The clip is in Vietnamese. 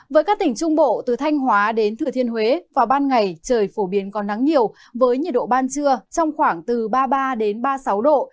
với các tỉnh trung bộ từ thanh hóa đến thừa thiên huế vào ban ngày trời phổ biến có nắng nhiều với nhiệt độ ban trưa trong khoảng từ ba mươi ba ba mươi sáu độ